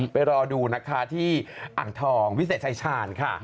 ไปรอดูนะคะที่อ่างทองวิเศษชายชาญค่ะ